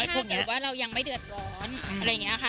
เพียงแต่ว่าเรายังไม่เดือดร้อนอะไรอย่างนี้ค่ะ